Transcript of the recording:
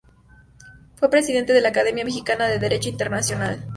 Fue Presidente de la Academia Mexicana de Derecho Internacional.